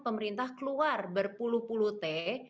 pemerintah keluar berpuluh puluh t